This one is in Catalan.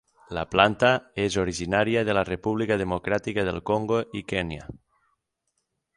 La planta és originària de la República Democràtica del Congo i Kenya.